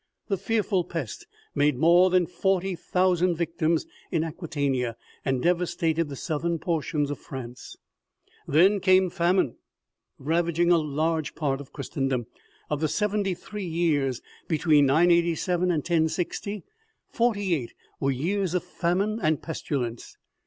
The fearful pest made more than forty thousand victims in Acquitania, and devastated the southern portions of France. Then came famine, ravaging a large part of Christen dom. Of the seventy three years between 987 and 1060, forty eight were years of famine and pestilence.